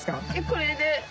これで。